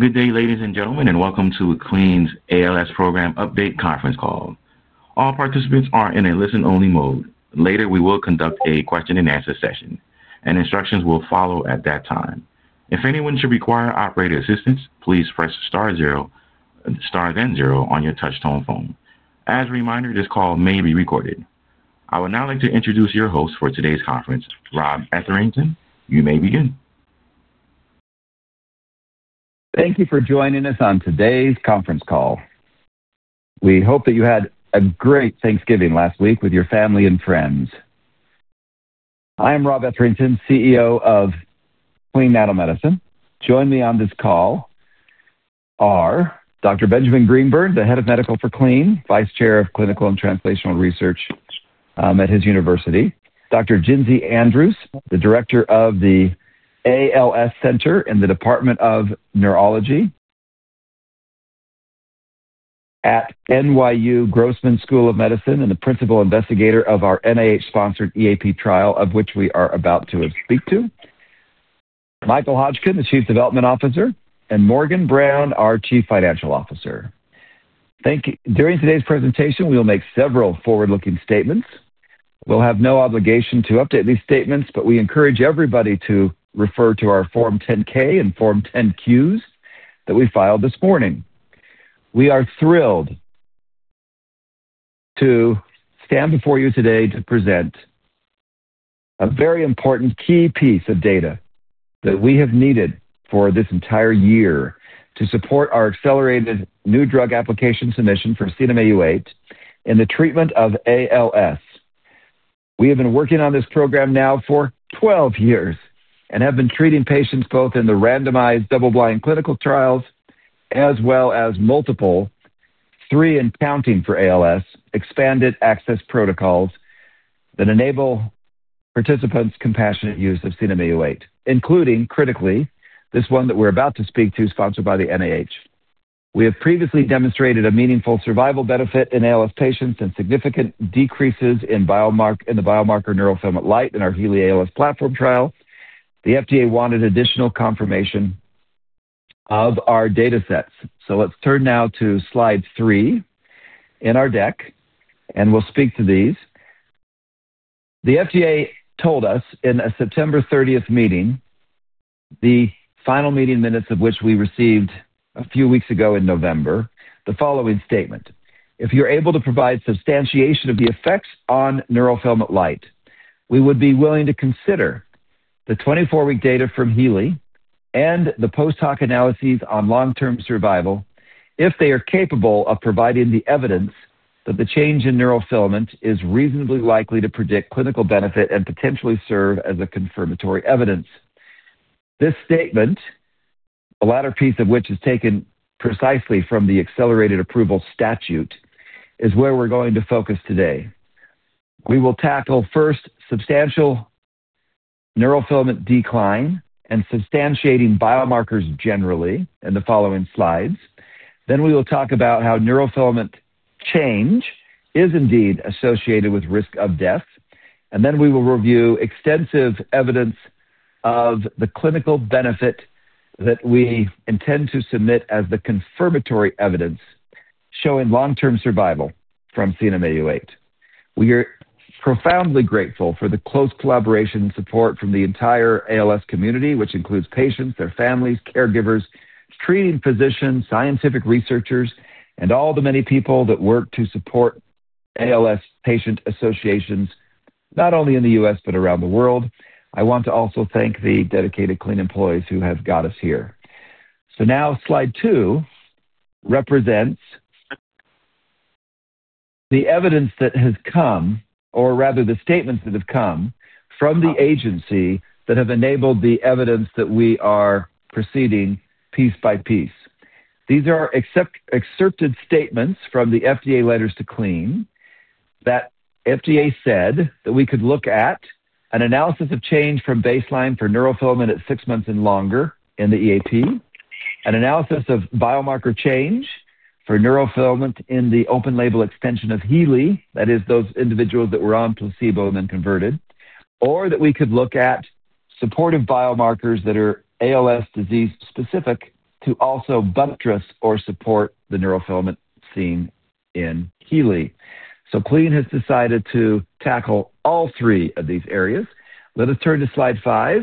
Good day, ladies and gentlemen, and welcome to the Clene's ALS program update conference call. All participants are in a listen-only mode. Later, we will conduct a question-and-answer session, and instructions will follow at that time. If anyone should require operator assistance, please press star zero, star then zero on your touch-tone phone. As a reminder, this call may be recorded. I would now like to introduce your host for today's conference, Rob Etherington. You may begin. Thank you for joining us on today's conference call. We hope that you had a great Thanksgiving last week with your family and friends. I am Rob Etherington, CEO of Clene Nanomedicine. Joining me on this call are Dr. Benjamin Greenberg, the head of medical for Clene, vice chair of clinical and translational research at his university. Dr. Jinsy Andrews, the director of the ALS Center in the Department of Neurology at NYU Grossman School of Medicine, and the principal investigator of our NIH-sponsored EAP trial, of which we are about to speak to. Michael Hotchkin, the chief development officer. And Morgan Brown, our chief financial officer. During today's presentation, we will make several forward-looking statements. We'll have no obligation to update these statements, but we encourage everybody to refer to our Form 10-K and Form 10-Qs that we filed this morning. We are thrilled to stand before you today to present a very important key piece of data that we have needed for this entire year to support our accelerated new drug application submission for CNM-Au8 in the treatment of ALS. We have been working on this program now for 12 years and have been treating patients both in the randomized double-blind clinical trials as well as multiple, three and counting for ALS, expanded access protocols that enable participants' compassionate use of CNM-Au8, including, critically, this one that we're about to speak to, sponsored by the NIH. We have previously demonstrated a meaningful survival benefit in ALS patients and significant decreases in the biomarker neurofilament light in our HEALEY ALS platform trial. The FDA wanted additional confirmation of our data sets, so let's turn now to slide three in our deck, and we'll speak to these. The FDA told us in a September 30th meeting, the final meeting minutes of which we received a few weeks ago in November, the following statement: "If you're able to provide substantiation of the effects on neurofilament light, we would be willing to consider the 24-week data from HEALEY and the post-hoc analyses on long-term survival if they are capable of providing the evidence that the change in neurofilament is reasonably likely to predict clinical benefit and potentially serve as a confirmatory evidence." This statement, the latter piece of which is taken precisely from the accelerated approval statute, is where we're going to focus today. We will tackle first substantial neurofilament decline and substantiating biomarkers generally in the following slides. Then we will talk about how neurofilament change is indeed associated with risk of death. And then we will review extensive evidence of the clinical benefit that we intend to submit as the confirmatory evidence showing long-term survival from CNM-Au8. We are profoundly grateful for the close collaboration and support from the entire ALS community, which includes patients, their families, caregivers, treating physicians, scientific researchers, and all the many people that work to support ALS patient associations not only in the U.S. but around the world. I want to also thank the dedicated Clene employees who have got us here. So now slide two represents the evidence that has come, or rather the statements that have come from the agency that have enabled the evidence that we are proceeding piece by piece. These are excerpted statements from the FDA letters to Clene that FDA said that we could look at. An analysis of change from baseline for neurofilament at six months and longer in the EAP. An analysis of biomarker change for neurofilament in the open-label extension of HEALEY, that is, those individuals that were on placebo and then converted. Or that we could look at supportive biomarkers that are ALS disease-specific to also buttress or support the neurofilament seen in HEALEY. Clene has decided to tackle all three of these areas. Let us turn to slide five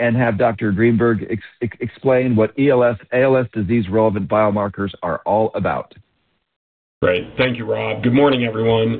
and have Dr. Greenberg explain what ALS disease-relevant biomarkers are all about. Great. Thank you, Rob. Good morning, everyone.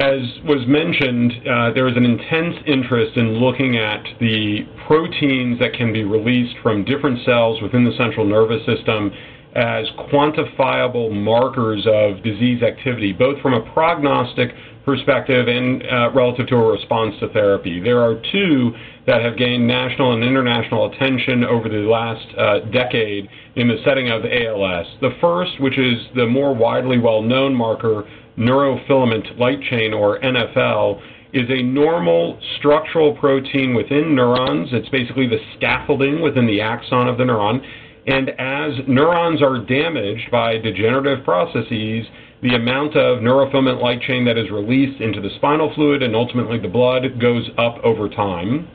As was mentioned, there is an intense interest in looking at the proteins that can be released from different cells within the central nervous system as quantifiable markers of disease activity, both from a prognostic perspective and relative to a response to therapy. There are two that have gained national and international attention over the last decade in the setting of ALS. The first, which is the more widely well-known marker, neurofilament light chain, or NFL, is a normal structural protein within neurons. It's basically the scaffolding within the axon of the neuron, and as neurons are damaged by degenerative processes, the amount of neurofilament light chain that is released into the spinal fluid and ultimately the blood goes up over time.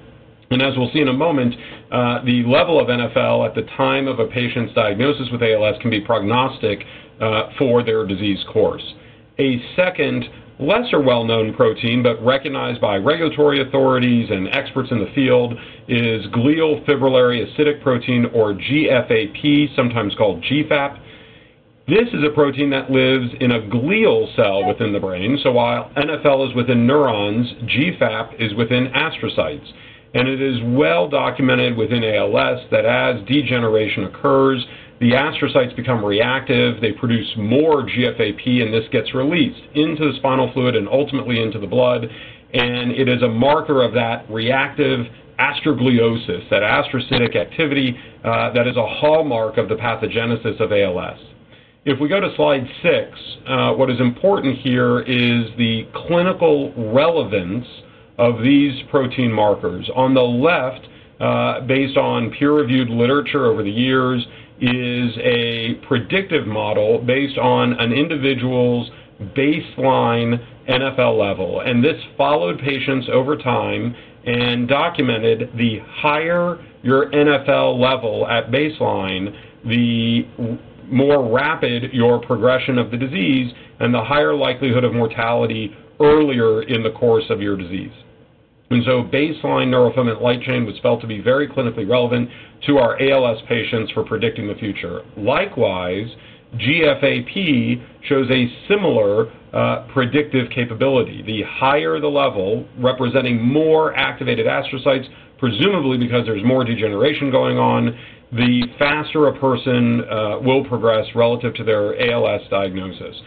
As we'll see in a moment, the level of NFL at the time of a patient's diagnosis with ALS can be prognostic for their disease course. A second, lesser well-known protein but recognized by regulatory authorities and experts in the field is glial fibrillary acidic protein, or GFAP, sometimes called GFAP. This is a protein that lives in a glial cell within the brain. So while NFL is within neurons, GFAP is within astrocytes. It is well documented within ALS that as degeneration occurs, the astrocytes become reactive, they produce more GFAP, and this gets released into the spinal fluid and ultimately into the blood. It is a marker of that reactive astrogliosis, that astrocytic activity that is a hallmark of the pathogenesis of ALS. If we go to slide six, what is important here is the clinical relevance of these protein markers. On the left, based on peer-reviewed literature over the years, is a predictive model based on an individual's baseline NFL level. And this followed patients over time and documented the higher your NFL level at baseline, the more rapid your progression of the disease, and the higher likelihood of mortality earlier in the course of your disease. And so baseline neurofilament light chain was felt to be very clinically relevant to our ALS patients for predicting the future. Likewise, GFAP shows a similar predictive capability. The higher the level, representing more activated astrocytes, presumably because there's more degeneration going on, the faster a person will progress relative to their ALS diagnosis.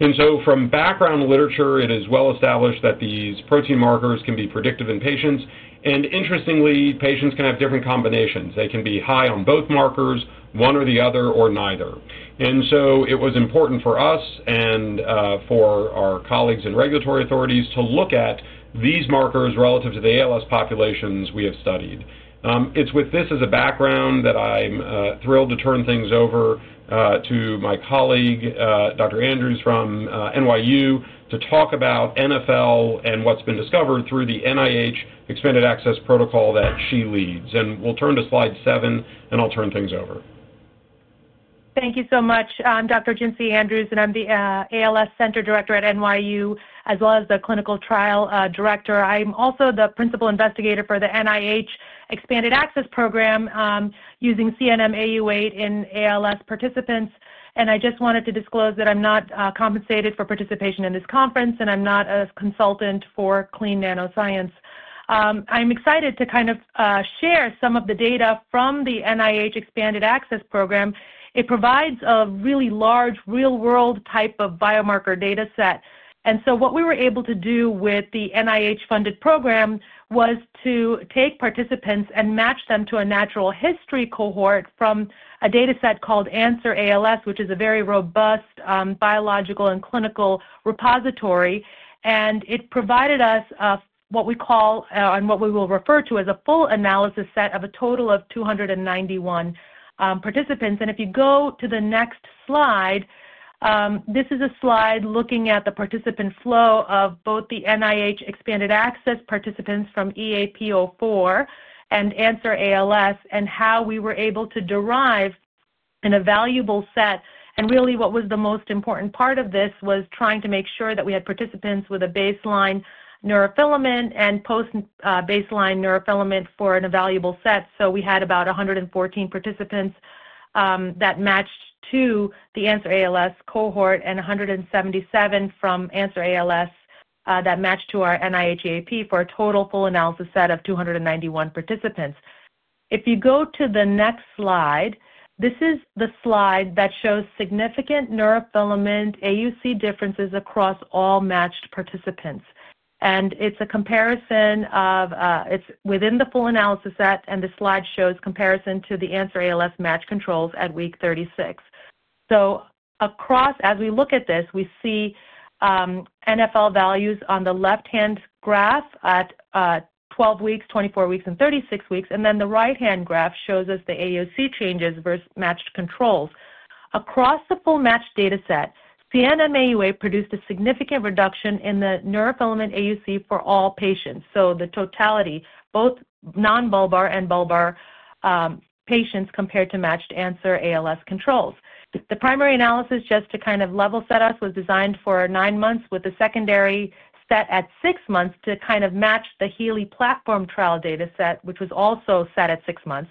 And so from background literature, it is well established that these protein markers can be predictive in patients. And interestingly, patients can have different combinations. They can be high on both markers, one or the other, or neither. It was important for us and for our colleagues in regulatory authorities to look at these markers relative to the ALS populations we have studied. It's with this as a background that I'm thrilled to turn things over to my colleague, Dr. Andrews from NYU, to talk about NFL and what's been discovered through the NIH Expanded Access Program that she leads. We'll turn to slide seven, and I'll turn things over. Thank you so much. I'm Dr. Jinsy Andrews, and I'm the ALS Center director at NYU, as well as the clinical trial director. I'm also the principal investigator for the NIH Expanded Access Program using CNM-Au8 in ALS participants, and I just wanted to disclose that I'm not compensated for participation in this conference, and I'm not a consultant for Clene Nanomedicine. I'm excited to kind of share some of the data from the NIH Expanded Access Program. It provides a really large real-world type of biomarker data set, and so what we were able to do with the NIH-funded program was to take participants and match them to a natural history cohort from a data set called Answer ALS, which is a very robust biological and clinical repository. And it provided us what we call, and what we will refer to as a full analysis set of a total of 291 participants. And if you go to the next slide, this is a slide looking at the participant flow of both the NIH Expanded Access participants from EAP04 and Answer ALS, and how we were able to derive an evaluable set. And really, what was the most important part of this was trying to make sure that we had participants with a baseline neurofilament and post-baseline neurofilament for an evaluable set. So we had about 114 participants that matched to the Answer ALS cohor and 177 from Answer ALS that matched to our NIH EAP for a total full analysis set of 291 participants. If you go to the next slide, this is the slide that shows significant neurofilament AUC differences across all matched participants. It's a comparison of it within the full analysis set, and the slide shows comparison to the Answer ALS matched controls at week 36. Across, as we look at this, we see NFL values on the left-hand graph at 12 weeks, 24 weeks, and 36 weeks. Then the right-hand graph shows us the AUC changes versus matched controls. Across the full matched data set, CNM-Au8 produced a significant reduction in the neurofilament AUC for all patients. The totality, both non-bulbar and bulbar patients compared to matched Answer ALS controls. The primary analysis, just to kind of level set us, was designed for nine months, with a secondary set at six months to kind of match the HEALEY platform trial data set, which was also set at six months.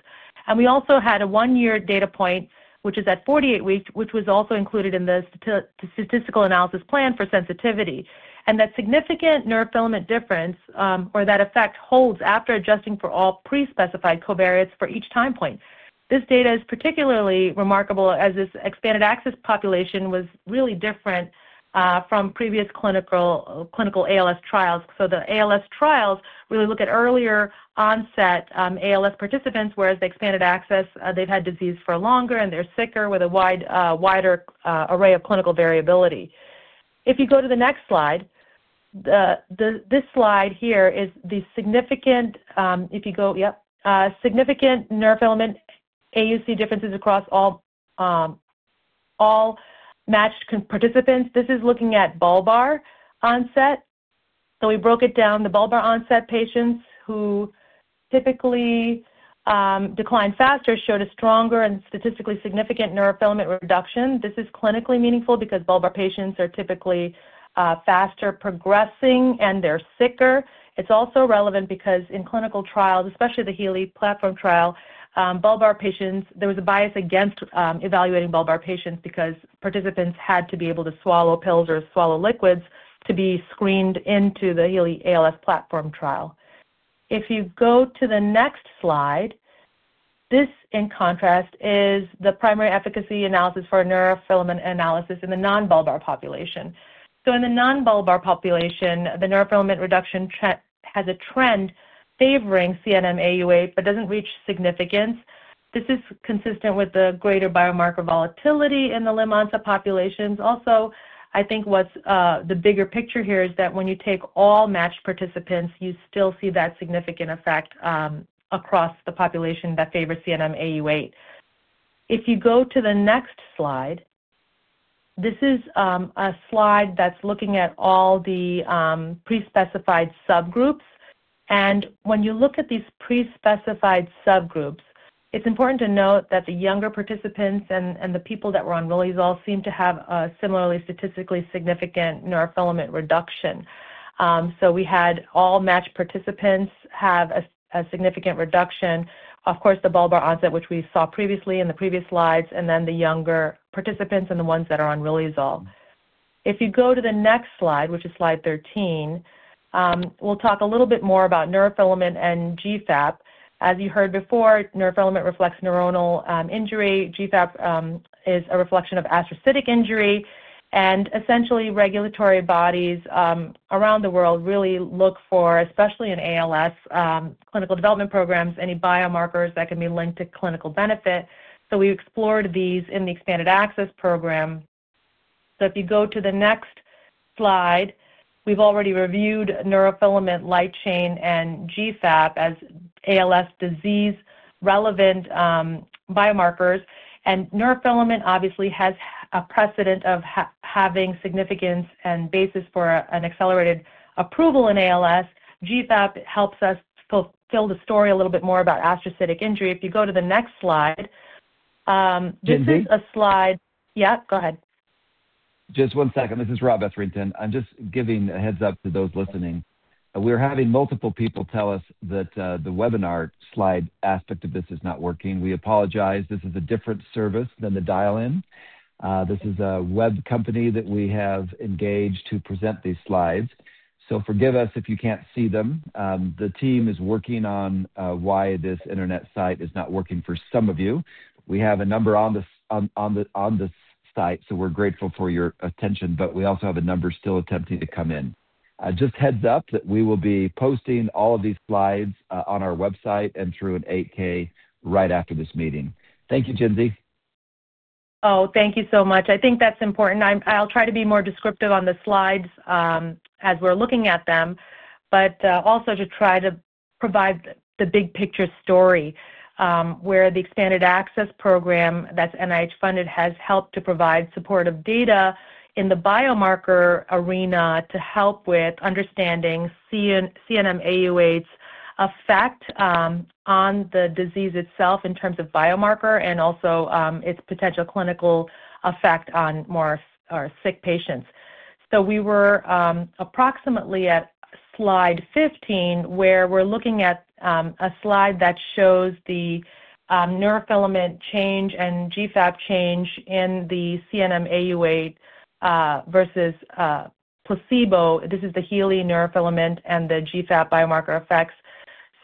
We also had a one-year data point, which is at 48 weeks, which was also included in the statistical analysis plan for sensitivity. And that significant neurofilament difference, or that effect, holds after adjusting for all pre-specified covariates for each time point. This data is particularly remarkable as this expanded access population was really different from previous clinical ALS trials. So the ALS trials really look at earlier onset ALS participants, whereas the expanded access, they've had disease for longer, and they're sicker with a wider array of clinical variability. If you go to the next slide, this slide here is the significant neurofilament AUC differences across all matched participants. This is looking at bulbar onset. So we broke it down. The bulbar onset patients who typically decline faster showed a stronger and statistically significant neurofilament reduction. This is clinically meaningful because bulbar patients are typically faster progressing, and they're sicker. It's also relevant because in clinical trials, especially the HEALEY platform trial, bulbar patients, there was a bias against evaluating bulbar patients because participants had to be able to swallow pills or swallow liquids to be screened into the HEALEY ALS platform trial. If you go to the next slide, this, in contrast, is the primary efficacy analysis for neurofilament analysis in the non-bulbar population. So in the non-bulbar population, the neurofilament reduction has a trend favoring CNM-Au8 but doesn't reach significance. This is consistent with the greater biomarker volatility in the limb onset populations. Also, I think what's the bigger picture here is that when you take all matched participants, you still see that significant effect across the population that favors CNM-Au8. If you go to the next slide, this is a slide that's looking at all the pre-specified subgroups, and when you look at these pre-specified subgroups, it's important to note that the younger participants and the people that were on Riluzole seem to have a similarly statistically significant neurofilament reduction. So we had all matched participants have a significant reduction, of course, the bulbar onset, which we saw previously in the previous slides, and then the younger participants and the ones that are on Riluzole. If you go to the next slide, which is Slide 13, we'll talk a little bit more about neurofilament and GFAP. As you heard before, neurofilament reflects neuronal injury. GFAP is a reflection of astrocytic injury, and essentially, regulatory bodies around the world really look for, especially in ALS clinical development programs, any biomarkers that can be linked to clinical benefit. So we explored these in the Expanded Access Program. So if you go to the next slide, we've already reviewed neurofilament light chain and GFAP as ALS disease-relevant biomarkers. And neurofilament obviously has a precedent of having significance and basis for an accelerated approval in ALS. GFAP helps us fulfill the story a little bit more about astrocytic injury. If you go to the next slide, this is a slide, yeah, go ahead. Just one second. This is Rob Etherington. I'm just giving a heads-up to those listening. We are having multiple people tell us that the webinar slide aspect of this is not working. We apologize. This is a different service than the dial-in. This is a web company that we have engaged to present these slides. So forgive us if you can't see them. The team is working on why this internet site is not working for some of you. We have a number on this site, so we're grateful for your attention, but we also have a number still attempting to come in. Just heads-up that we will be posting all of these slides on our website and through an 8K right after this meeting. Thank you, Jinsy. Oh, thank you so much. I think that's important. I'll try to be more descriptive on the slides as we're looking at them, but also to try to provide the big picture story where the Expanded Access Program, that's NIH-funded, has helped to provide supportive data in the biomarker arena to help with understanding CNM-Au8's effect on the disease itself in terms of biomarker and also its potential clinical effect on more sick patients. So we were approximately at Slide 15, where we're looking at a slide that shows the neurofilament change and GFAP change in the CNM-Au8 versus placebo. This is the HEALEY neurofilament and the GFAP biomarker effects.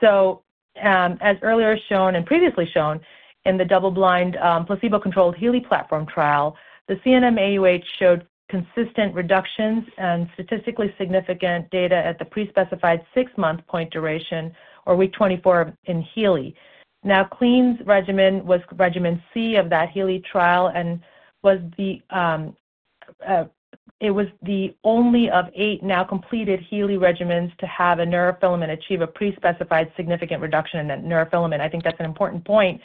So as earlier shown and previously shown in the double-blind placebo-controlled HEALEY platform trial, the CNM-Au8 showed consistent reductions and statistically significant data at the pre-specified six-month point duration, or week 24 in HEALEY. Now, Clene's regimen was regimen C of that HEALEY trial, and it was the only of eight now completed HEALEY regimens to have a neurofilament achieve a pre-specified significant reduction in that neurofilament. I think that's an important point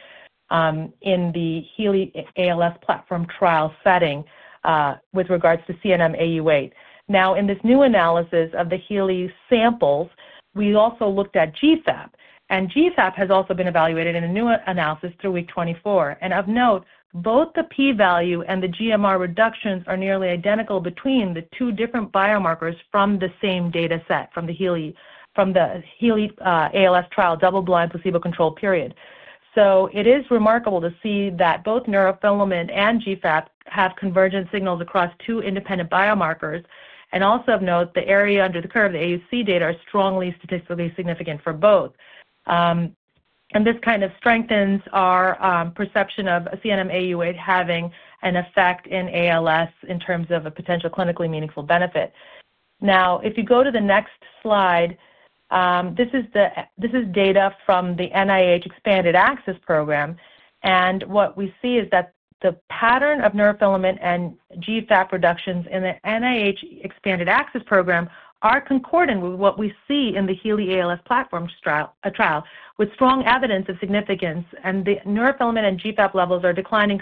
in the HEALEY ALS Platform Trial setting with regards to CNM-Au8. Now, in this new analysis of the HEALEY samples, we also looked at GFAP. And GFAP has also been evaluated in a new analysis through week 24. And of note, both the p-value and the GMR reductions are nearly identical between the two different biomarkers from the same data set, from the HEALEY ALS trial, double-blind placebo-controlled period. So it is remarkable to see that both neurofilament and GFAP have convergent signals across two independent biomarkers. And also of note, the area under the curve of the AUC data is strongly statistically significant for both. This kind of strengthens our perception of CNM-Au8 having an effect in ALS in terms of a potential clinically meaningful benefit. Now, if you go to the next slide, this is data from the NIH Expanded Access Program. What we see is that the pattern of neurofilament and GFAP reductions in the NIH Expanded Access Program are concordant with what we see in the HEALEY ALS Platform Trial, with strong evidence of significance. The neurofilament and GFAP levels are declining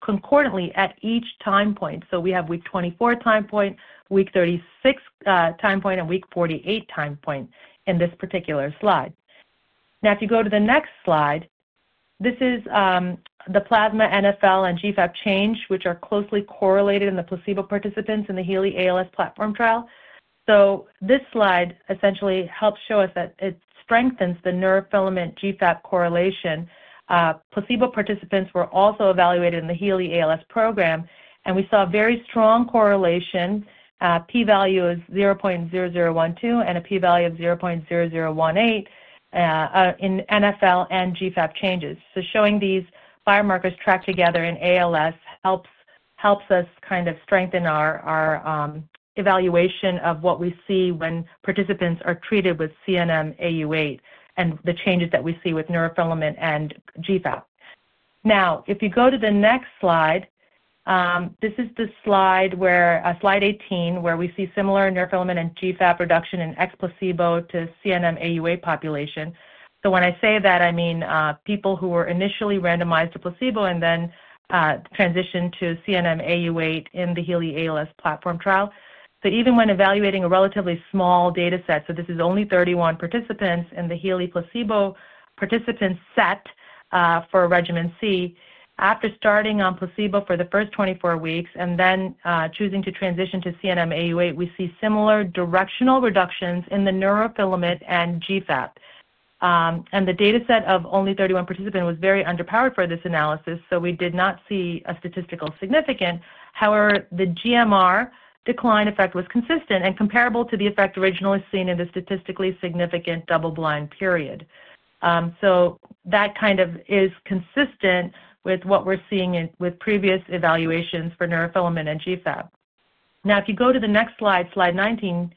concordantly at each time point. We have week 24 time point, week 36 time point, and week 48 time point in this particular slide. Now, if you go to the next slide, this is the plasma NfL and GFAP change, which are closely correlated in the placebo participants in the HEALEY ALS Platform Trial. So this slide essentially helps show us that it strengthens the neurofilament GFAP correlation. Placebo participants were also evaluated in the HEALEY ALS program, and we saw a very strong correlation. P-value is 0.0012 and a p-value of 0.0018 in NFL and GFAP changes. So showing these biomarkers tracked together in ALS helps us kind of strengthen our evaluation of what we see when participants are treated with CNM-Au8 and the changes that we see with neurofilament and GFAP. Now, if you go to the next slide, this is the slide where Slide 18, where we see similar neurofilament and GFAP reduction in ex-placebo to CNM-Au8 population. So when I say that, I mean people who were initially randomized to placebo and then transitioned to CNM-Au8 in the HEALEY ALS platform trial. Even when evaluating a relatively small data set, so this is only 31 participants in the HEALEY placebo participant set for regimen C, after starting on placebo for the first 24 weeks and then choosing to transition to CNM-Au8, we see similar directional reductions in the neurofilament and GFAP. The data set of only 31 participants was very underpowered for this analysis, so we did not see a statistical significance. However, the GMR decline effect was consistent and comparable to the effect originally seen in the statistically significant double-blind period. That kind of is consistent with what we're seeing with previous evaluations for neurofilament and GFAP. Now, if you go to the next slide, Slide 19,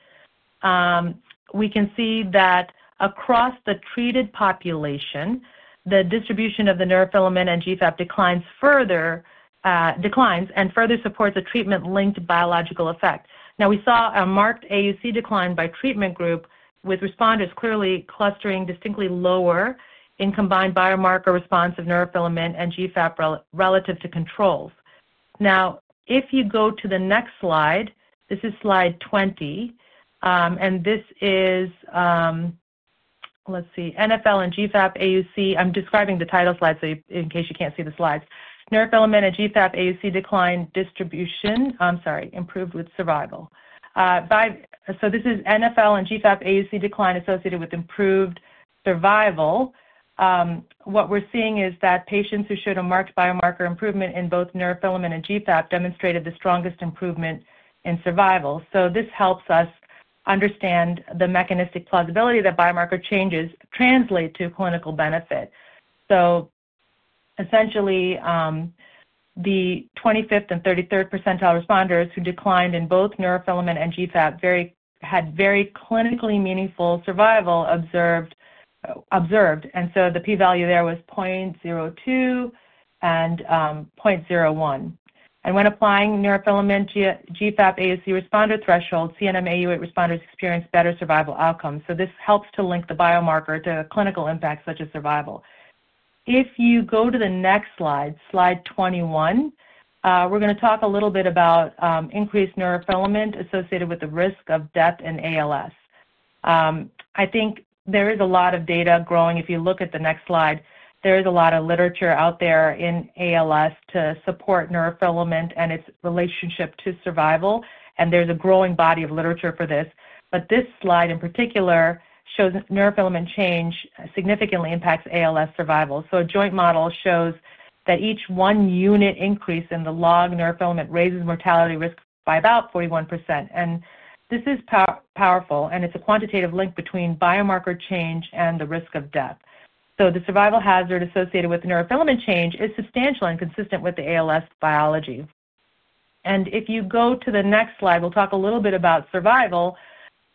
we can see that across the treated population, the distribution of the neurofilament and GFAP declines further and further supports a treatment-linked biological effect. Now, we saw a marked AUC decline by treatment group with responders clearly clustering distinctly lower in combined biomarker response of neurofilament and GFAP relative to controls. Now, if you go to the next slide, this is Slide 20, and this is, let's see, NFL and GFAP AUC. I'm describing the title slide so in case you can't see the slides. Neurofilament and GFAP AUC decline distribution. I'm sorry, improved with survival. So this is NFL and GFAP AUC decline associated with improved survival. What we're seeing is that patients who showed a marked biomarker improvement in both neurofilament and GFAP demonstrated the strongest improvement in survival. So this helps us understand the mechanistic plausibility that biomarker changes translate to clinical benefit. So essentially, the 25th and 33rd percentile responders who declined in both neurofilament and GFAP had very clinically meaningful survival observed. And so the p-value there was 0.02 and 0.01. And when applying neurofilament GFAP AUC responder threshold, CNM-Au8 responders experienced better survival outcomes. So this helps to link the biomarker to clinical impact such as survival. If you go to the next slide, Slide 21, we're going to talk a little bit about increased neurofilament associated with the risk of death in ALS. I think there is a lot of data growing. If you look at the next slide, there is a lot of literature out there in ALS to support neurofilament and its relationship to survival. And there's a growing body of literature for this. But this slide in particular shows neurofilament change significantly impacts ALS survival. So a joint model shows that each one unit increase in the log neurofilament raises mortality risk by about 41%. And this is powerful, and it's a quantitative link between biomarker change and the risk of death. So the survival hazard associated with neurofilament change is substantial and consistent with the ALS biology. And if you go to the next slide, we'll talk a little bit about survival.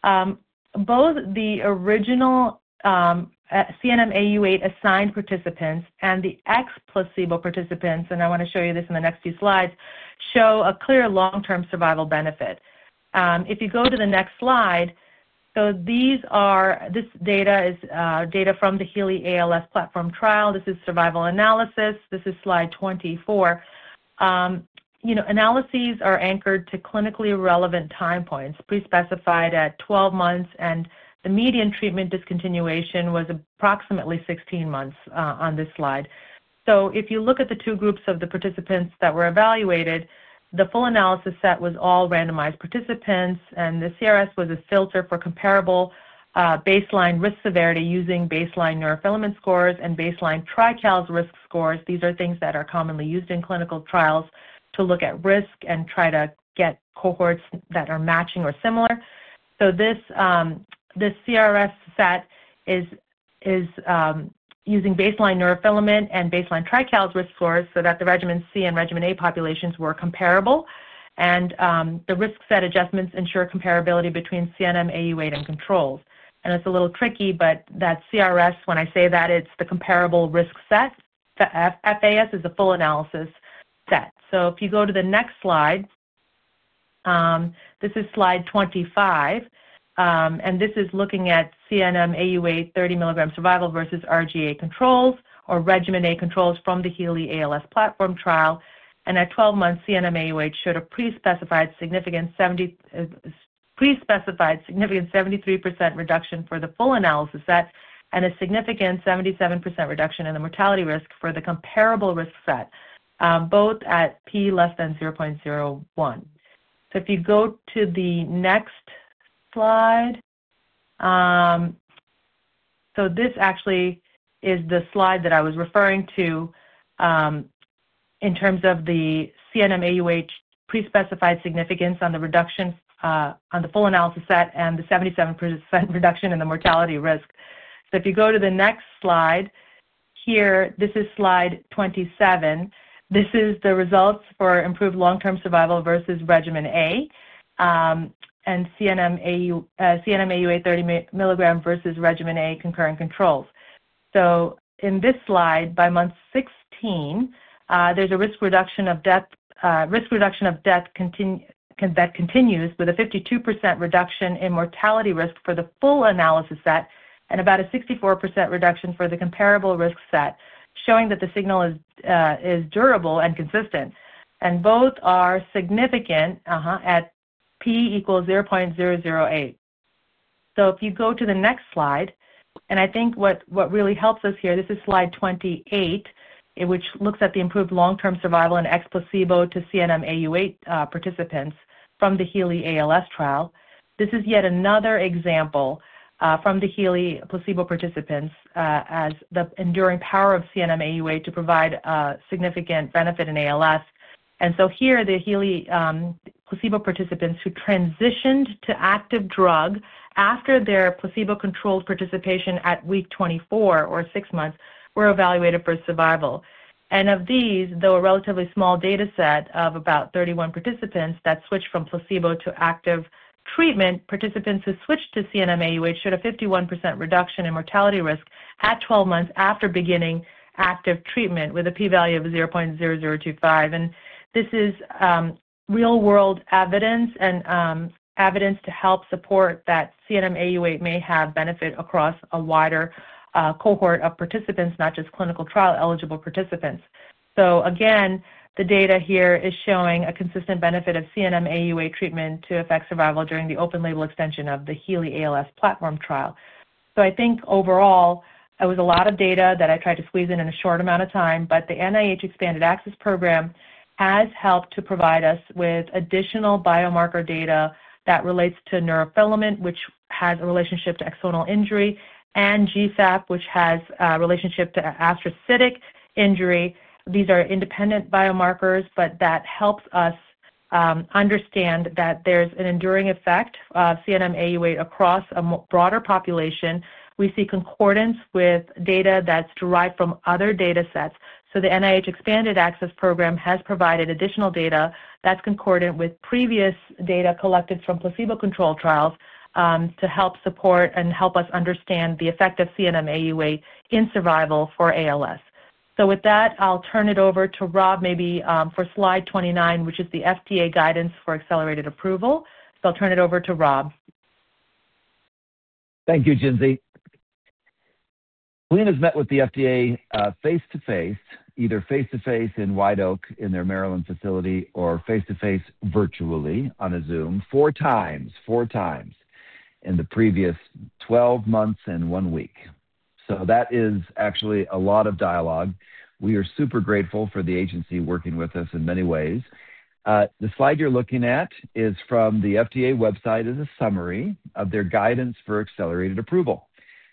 Both the original CNM-Au8 assigned participants and the ex-placebo participants, and I want to show you this in the next few slides, show a clear long-term survival benefit. If you go to the next slide, so this data is data from the HEALEY ALS Platform Trial. This is survival analysis. This is Slide 24. Analyses are anchored to clinically relevant time points, pre-specified at 12 months, and the median treatment discontinuation was approximately 16 months on this slide. If you look at the two groups of the participants that were evaluated, the full analysis set was all randomized participants, and the CRS was a filter for comparable baseline risk severity using baseline neurofilament scores and baseline TRICALS risk scores. These are things that are commonly used in clinical trials to look at risk and try to get cohorts that are matching or similar. This CRS set is using baseline neurofilament and baseline TRICALS risk scores so that the regimen C and regimen A populations were comparable. The risk set adjustments ensure comparability between CNM-Au8 and controls. It's a little tricky, but that CRS, when I say that, it's the comparable risk set. FAS is the full analysis set. If you go to the next slide, this is Slide 25. This is looking at CNM-Au8 30 mg survival versus regimen A controls or regimen A controls from the HEALEY ALS Platform Trial. At 12 months, CNM-Au8 showed a pre-specified significance, pre-specified significance 73% reduction for the full analysis set, and a significance 77% reduction in the mortality risk for the comparable risk set, both at p < 0.01. If you go to the next slide, this actually is the slide that I was referring to in terms of the CNM-Au8 pre-specified significance on the full analysis set and the 77% reduction in the mortality risk. If you go to the next slide here, this is Slide 27. This is the results for improved long-term survival versus regimen A and CNM-Au8 30 mg versus regimen A concurrent controls. In this slide, by month 16, there's a risk reduction of death that continues with a 52% reduction in mortality risk for the full analysis set and about a 64% reduction for the comparable risk set, showing that the signal is durable and consistent. And both are significant at p=0.008. If you go to the next slide, and I think what really helps us here, this is slide 28, which looks at the improved long-term survival in ex-placebo to CNM-Au8 participants from the HEALEY ALS trial. This is yet another example from the HEALEY placebo participants as the enduring power of CNM-Au8 to provide significant benefit in ALS. And so here, the HEALEY placebo participants who transitioned to active drug after their placebo-controlled participation at week 24 or six months were evaluated for survival. Of these, though a relatively small data set of about 31 participants that switched from placebo to active treatment, participants who switched to CNM-Au8 showed a 51% reduction in mortality risk at 12 months after beginning active treatment with a p-value of 0.0025. This is real-world evidence and evidence to help support that CNM-Au8 may have benefit across a wider cohort of participants, not just clinical trial eligible participants. Again, the data here is showing a consistent benefit of CNM-Au8 treatment to affect survival during the open-label extension of the HEALEY ALS Platform Trial. So I think overall, it was a lot of data that I tried to squeeze in in a short amount of time, but the NIH Expanded Access Program has helped to provide us with additional biomarker data that relates to neurofilament, which has a relationship to axonal injury, and GFAP, which has a relationship to astrocytic injury. These are independent biomarkers, but that helps us understand that there's an enduring effect of CNM-Au8 across a broader population. We see concordance with data that's derived from other data sets. So the NIH Expanded Access Program has provided additional data that's concordant with previous data collected from placebo-controlled trials to help support and help us understand the effect of CNM-Au8 in survival for ALS. So with that, I'll turn it over to Rob maybe for Slide 29, which is the FDA guidance for accelerated approval. So I'll turn it over to Rob. Thank you, Jinsy. Glenn has met with the FDA face-to-face, either face-to-face in White Oak in their Maryland facility or face-to-face virtually on a Zoom four times, four times in the previous 12 months and one week. So that is actually a lot of dialogue. We are super grateful for the agency working with us in many ways. The slide you're looking at is from the FDA website as a summary of their guidance for accelerated approval.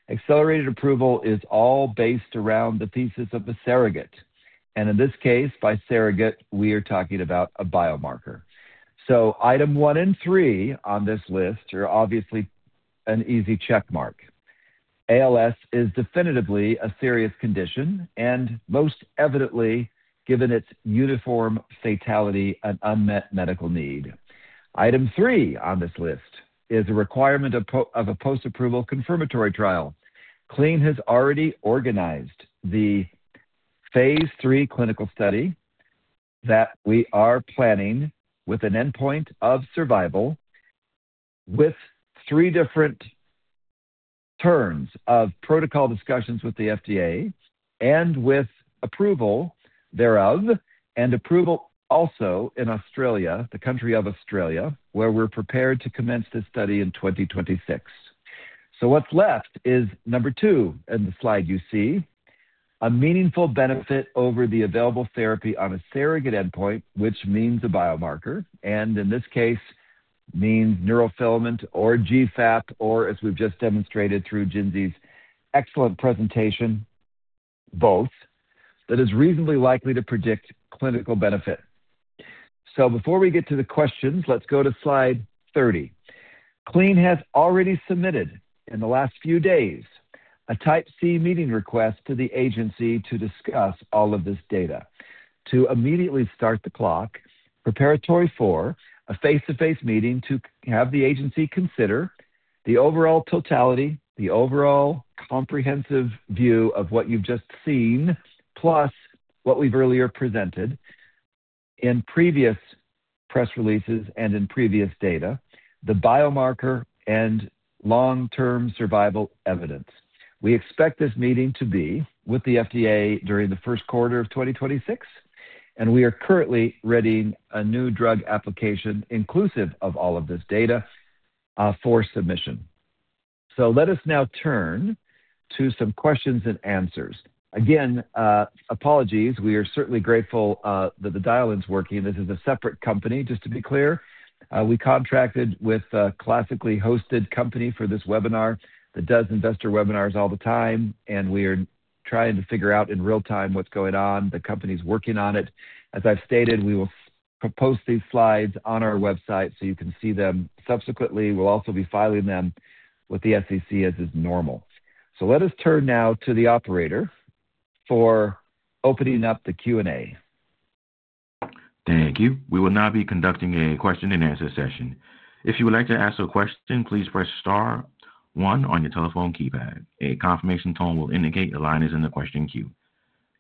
Accelerated approval is all based around the thesis of the surrogate. And in this case, by surrogate, we are talking about a biomarker. So Item one and three on this list are obviously an easy checkmark. ALS is definitively a serious condition and most evidently given its uniform fatality and unmet medical need. Item three on this list is a requirement of a post-approval confirmatory trial. Glenn has already organized the Phase 3 clinical study that we are planning with an endpoint of survival with three different turns of protocol discussions with the FDA and with approval thereof and approval also in Australia, the country of Australia, where we're prepared to commence this study in 2026. So what's left is number two in the slide you see, a meaningful benefit over the available therapy on a surrogate endpoint, which means a biomarker, and in this case, means neurofilament or GFAP or, as we've just demonstrated through Jinsy's excellent presentation, both, that is reasonably likely to predict clinical benefit. So before we get to the questions, let's go to Slide 30. Glenn has already submitted in the last few days a Type C meeting request to the agency to discuss all of this data. To immediately start the clock, preparatory for a face-to-face meeting to have the agency consider the overall totality, the overall comprehensive view of what you've just seen, plus what we've earlier presented in previous press releases and in previous data, the biomarker and long-term survival evidence. We expect this meeting to be with the FDA during the first quarter of 2026, and we are currently readying a new drug application inclusive of all of this data for submission. So let us now turn to some questions and answers. Again, apologies. We are certainly grateful that the dial-in's working. This is a separate company, just to be clear. We contracted with a classically hosted company for this webinar that does investor webinars all the time, and we are trying to figure out in real time what's going on. The company's working on it. As I've stated, we will post these slides on our website so you can see them subsequently. We'll also be filing them with the SEC as is normal. So let us turn now to the operator for opening up the Q&A. Thank you. We will now be conducting a question-and-answer session. If you would like to ask a question, please press star one on your telephone keypad. A confirmation tone will indicate the line is in the question queue.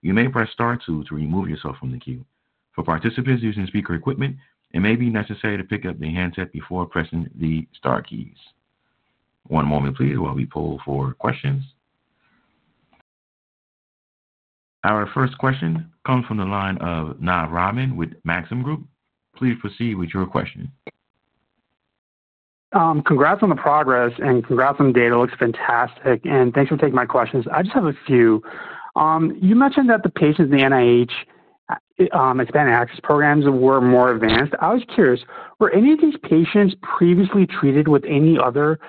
You may press star two to remove yourself from the queue. For participants using speaker equipment, it may be necessary to pick up the handset before pressing the star keys. One moment, please, while we pull for questions. Our first question comes from the line of Naz Rahman with Maxim Group. Please proceed with your question. Congrats on the progress, and congrats on the data. It looks fantastic, and thanks for taking my questions. I just have a few. You mentioned that the patients in the NIH Expanded Access Programs were more advanced. I was curious, were any of these patients previously treated with any other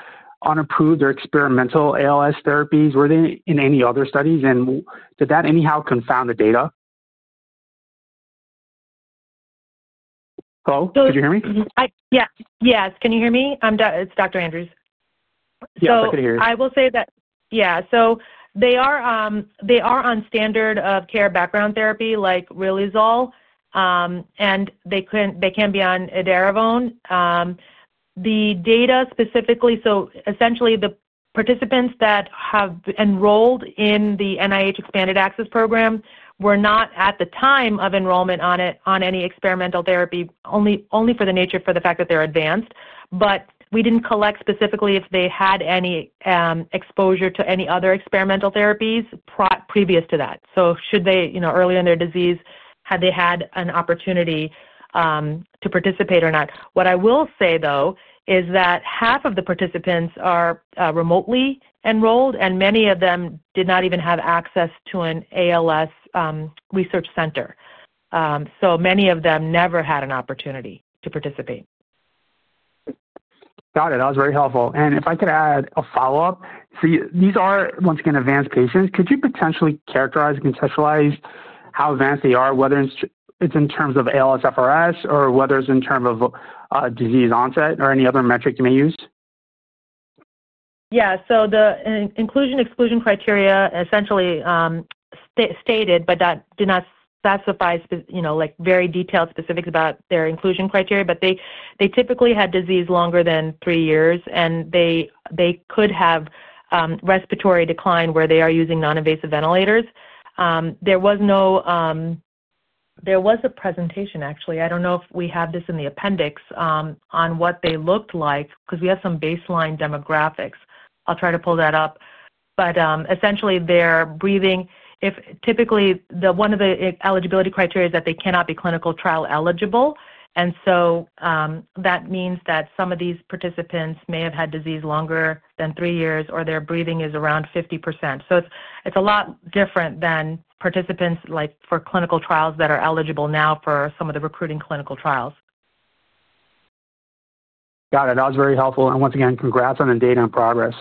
unapproved or experimental ALS therapies? Were they in any other studies, and did that anyhow confound the data? Hello? Could you hear me? Yes. Yes. Can you hear me? It's Dr. Andrews. Yes, I can hear you. So I will say that, yeah. So they are on standard of care background therapy like Riluzole, and they can be on Edaravone. The data specifically, so essentially the participants that have enrolled in the NIH Expanded Access Program were not at the time of enrollment on any experimental therapy, only for the nature of the fact that they're advanced. But we didn't collect specifically if they had any exposure to any other experimental therapies previous to that. So should they, earlier in their disease, had they had an opportunity to participate or not? What I will say, though, is that half of the participants are remotely enrolled, and many of them did not even have access to an ALS research center. So many of them never had an opportunity to participate. Got it. That was very helpful, and if I could add a follow-up, so these are, once again, advanced patients. Could you potentially characterize and conceptualize how advanced they are, whether it's in terms of ALSFRS or whether it's in terms of disease onset or any other metric you may use? Yeah, so the inclusion-exclusion criteria essentially stated, but that did not specify very detailed specifics about their inclusion criteria, but they typically had disease longer than three years, and they could have respiratory decline where they are using non-invasive ventilators. There was a presentation, actually. I don't know if we have this in the appendix on what they looked like because we have some baseline demographics. I'll try to pull that up, but essentially, their breathing, typically, one of the eligibility criteria is that they cannot be clinical trial eligible, and so that means that some of these participants may have had disease longer than three years or their breathing is around 50%, so it's a lot different than participants for clinical trials that are eligible now for some of the recruiting clinical trials. Got it. That was very helpful. And once again, congrats on the data and progress.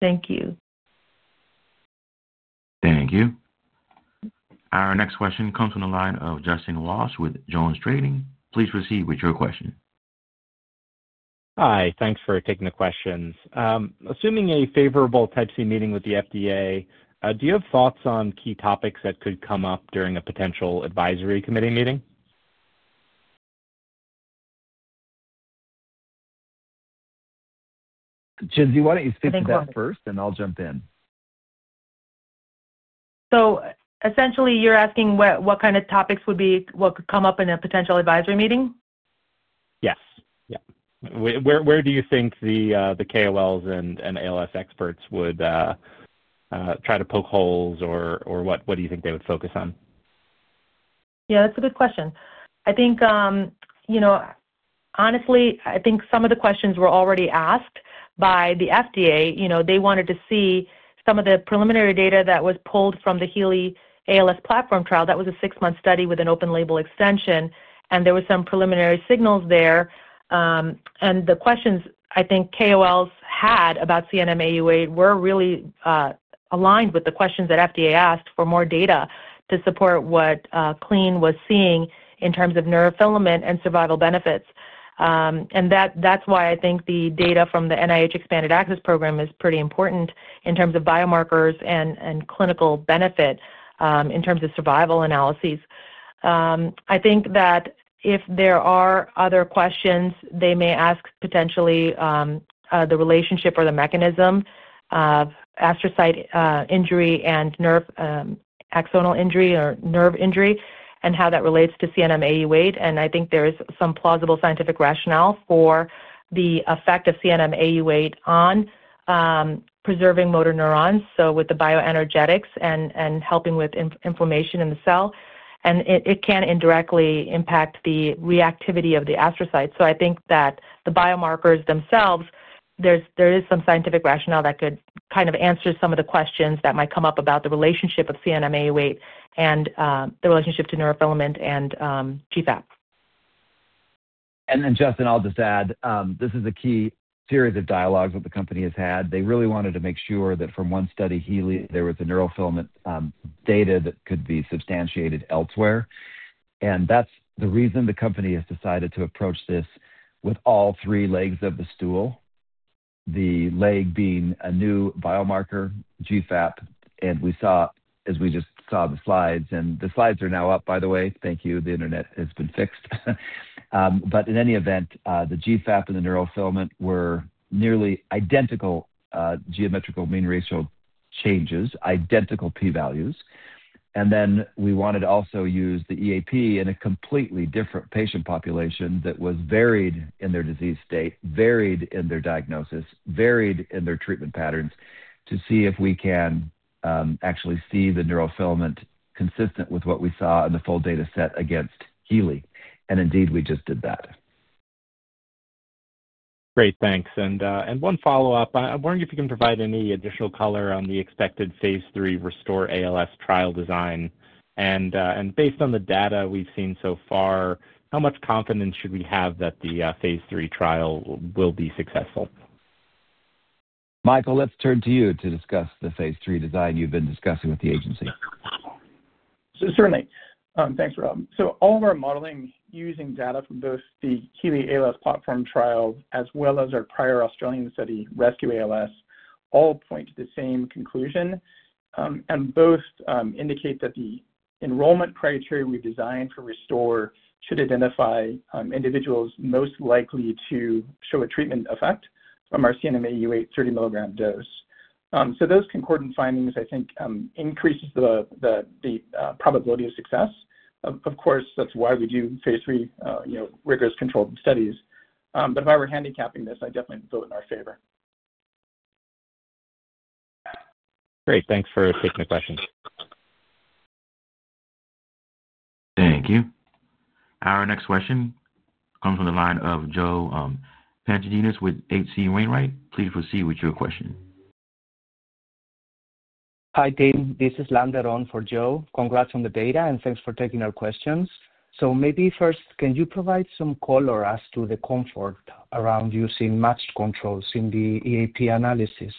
Thank you. Thank you. Our next question comes from the line of Justin Walsh with Jones Trading. Please proceed with your question. Hi. Thanks for taking the questions. Assuming a favorable Type C Meeting with the FDA, do you have thoughts on key topics that could come up during a potential advisory committee meeting? Jinsy, why don't you speak to that first, and I'll jump in. So essentially, you're asking what kind of topics would come up in a potential advisory meeting? Yes. Yeah. Where do you think the KOLs and ALS experts would try to poke holes, or what do you think they would focus on? Yeah, that's a good question. I think, honestly, I think some of the questions were already asked by the FDA. They wanted to see some of the preliminary data that was pulled from the HEALEY ALS Platform Trial. That was a six-month study with an open-label extension, and there were some preliminary signals there. And the questions I think KOLs had about CNM-Au8 were really aligned with the questions that FDA asked for more data to support what Glenn was seeing in terms of neurofilament and survival benefits. And that's why I think the data from the NIH Expanded Access Program is pretty important in terms of biomarkers and clinical benefit in terms of survival analyses. I think that if there are other questions, they may ask potentially the relationship or the mechanism of astrocytic injury and axonal injury or nerve injury and how that relates to CNM-Au8. And I think there is some plausible scientific rationale for the effect of CNM-Au8 on preserving motor neurons, so with the bioenergetics and helping with inflammation in the cell. And it can indirectly impact the reactivity of the astrocytes. So I think that the biomarkers themselves, there is some scientific rationale that could kind of answer some of the questions that might come up about the relationship of CNM-Au8 and the relationship to neurofilament and GFAP. And then, Justin, I'll just add, this is a key series of dialogues that the company has had. They really wanted to make sure that from one study HEALEY, there was neurofilament data that could be substantiated elsewhere. And that's the reason the company has decided to approach this with all three legs of the stool, the leg being a new biomarker, GFAP. And we saw, as we just saw the slides, and the slides are now up, by the way. Thank you. The internet has been fixed. But in any event, the GFAP and the neurofilament were nearly identical geometric mean ratio changes, identical p-values. And then we wanted to also use the EAP in a completely different patient population that was varied in their disease state, varied in their diagnosis, varied in their treatment patterns to see if we can actually see the neurofilament consistent with what we saw in the full data set against HEALEY. And indeed, we just did that. Great. Thanks. And one follow-up. I'm wondering if you can provide any additional color on the expected Phase 3 RESTORE-ALS trial design? And based on the data we've seen so far, how much confidence should we have that the Phase 3 trial will be successful? Michael, let's turn to you to discuss the Phase 3 design you've been discussing with the agency. Certainly. Thanks, Rob. So all of our modeling using data from both the HEALEY ALS Platform Trial as well as our prior Australian study, RESCUE-ALS, all point to the same conclusion. And both indicate that the enrollment criteria we've designed for RESTORE-ALS should identify individuals most likely to show a treatment effect from our CNM-Au8 30-mg dose. So those concordant findings, I think, increase the probability of success. Of course, that's why we do Phase 3 rigorous controlled studies. But if I were handicapping this, I'd definitely vote in our favor. Great. Thanks for taking the question. Thank you. Our next question comes from the line of Joe Pantginis with H.C. Wainwright. Please proceed with your question. Hi, Dane. This is Landeron for Joe. Congrats on the data, and thanks for taking our questions. So maybe first, can you provide some color as to the comfort around using matched controls in the EAP analysis?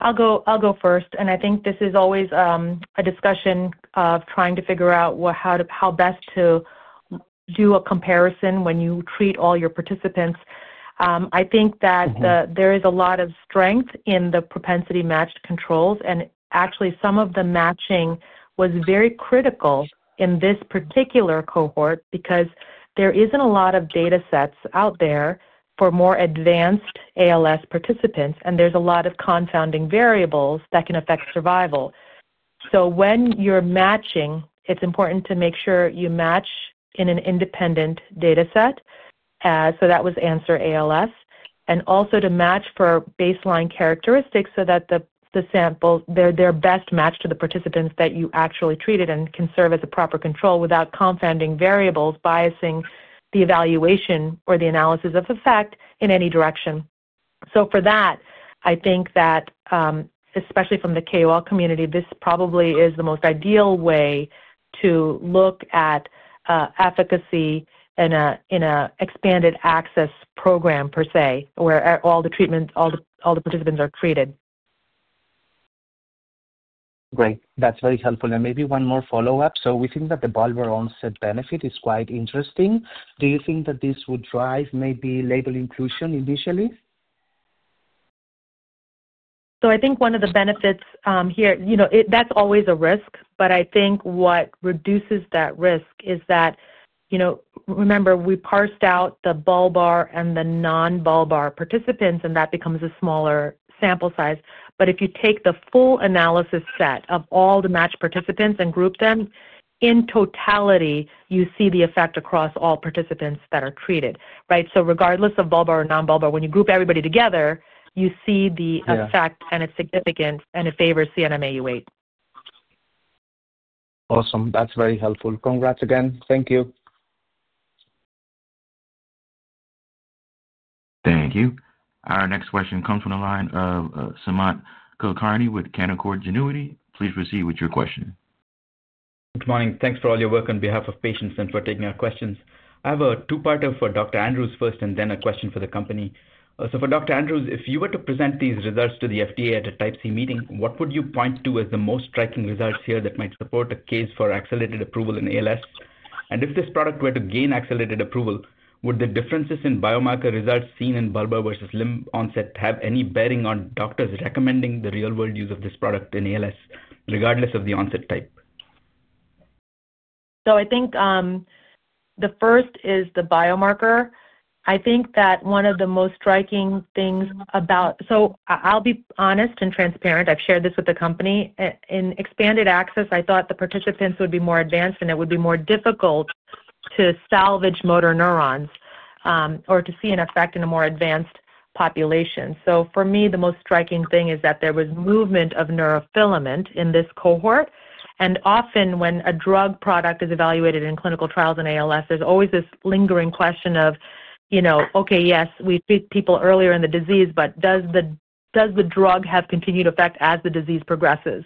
I'll go first, and I think this is always a discussion of trying to figure out how best to do a comparison when you treat all your participants. I think that there is a lot of strength in the propensity matched controls, and actually, some of the matching was very critical in this particular cohort because there isn't a lot of data sets out there for more advanced ALS participants, and there's a lot of confounding variables that can affect survival. So when you're matching, it's important to make sure you match in an independent data set. So that was Answer ALS, and also to match for baseline characteristics so that the sample they're best matched to the participants that you actually treated and can serve as a proper control without confounding variables biasing the evaluation or the analysis of effect in any direction. For that, I think that, especially from the KOL community, this probably is the most ideal way to look at efficacy in an expanded access program per se, where all the treatments, all the participants are treated. Great. That's very helpful. And maybe one more follow-up. So we think that the bulbar onset benefit is quite interesting. Do you think that this would drive maybe label inclusion initially? So I think one of the benefits here, that's always a risk, but I think what reduces that risk is that, remember, we parsed out the bulbar and the non-bulbar participants, and that becomes a smaller sample size. But if you take the full analysis set of all the matched participants and group them in totality, you see the effect across all participants that are treated, right? So regardless of bulbar or non-bulbar, when you group everybody together, you see the effect, and it's significant, and it favors CNM-Au8. Awesome. That's very helpful. Congrats again. Thank you. Thank you. Our next question comes from the line of Sumant Kulkarni with Canaccord Genuity. Please proceed with your question. Good morning. Thanks for all your work on behalf of patients and for taking our questions. I have a two-parter for Dr. Andrews first and then a question for the company. So for Dr. Andrews, if you were to present these results to the FDA at a Type C meeting, what would you point to as the most striking results here that might support a case for accelerated approval in ALS? And if this product were to gain accelerated approval, would the differences in biomarker results seen in bulbar versus limb onset have any bearing on doctors recommending the real-world use of this product in ALS, regardless of the onset type? So I think the first is the biomarker. I think that one of the most striking things about, so I'll be honest and transparent. I've shared this with the company. In expanded access, I thought the participants would be more advanced, and it would be more difficult to salvage motor neurons or to see an effect in a more advanced population. So for me, the most striking thing is that there was movement of neurofilament in this cohort. And often, when a drug product is evaluated in clinical trials in ALS, there's always this lingering question of, "Okay, yes, we treat people earlier in the disease, but does the drug have continued effect as the disease progresses?"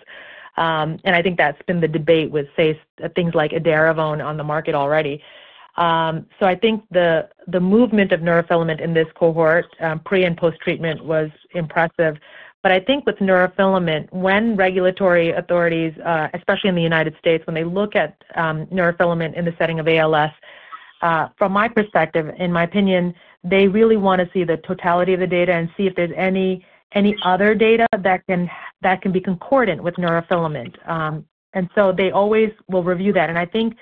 And I think that's been the debate with things like Edaravone on the market already. So I think the movement of neurofilament in this cohort, pre- and post-treatment, was impressive. But I think with neurofilament, when regulatory authorities, especially in the United States, when they look at neurofilament in the setting of ALS, from my perspective, in my opinion, they really want to see the totality of the data and see if there's any other data that can be concordant with neurofilament. And so they always will review that. And I think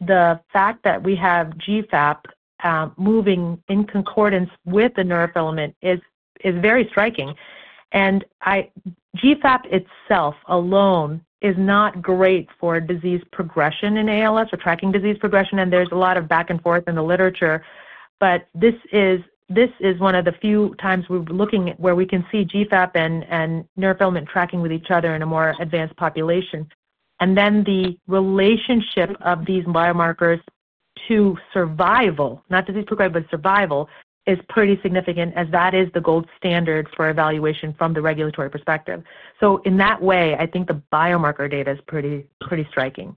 the fact that we have GFAP moving in concordance with the neurofilament is very striking. And GFAP itself alone is not great for disease progression in ALS or tracking disease progression. And there's a lot of back and forth in the literature. But this is one of the few times we're looking at where we can see GFAP and neurofilament tracking with each other in a more advanced population. And then the relationship of these biomarkers to survival, not disease progression, but survival, is pretty significant as that is the gold standard for evaluation from the regulatory perspective. So in that way, I think the biomarker data is pretty striking.